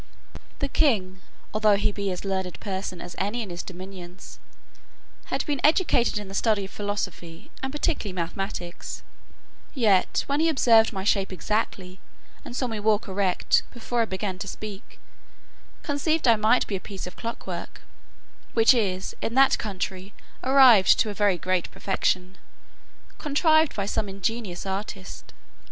The king, although he be as learned a person as any in his dominions, had been educated in the study of philosophy, and particularly mathematics; yet when he observed my shape exactly, and saw me walk erect, before I began to speak, conceived I might be a piece of clock work (which is in that country arrived to a very great perfection) contrived by some ingenious artist.